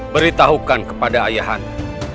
beritahukan kepada ayahanda